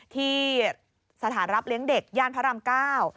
ที่สถานรับเลี้ยงเด็กย่านพระรามเก้า